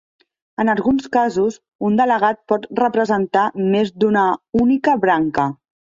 En alguns casos, un delegat pot representar més d'una única branca.